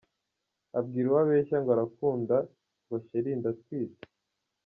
Abwira uwo abeshya ngo arakunda ngo sheri “Ndatwite”.